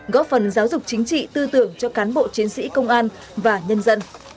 góp phần giáo dục chính trị tư tưởng cho cán bộ chiến sĩ công an và nhân dân